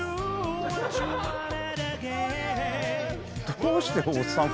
どうしておっさん